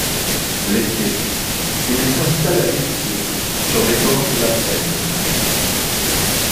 L'été, il s'installe à Villequier, sur les bords de la Seine.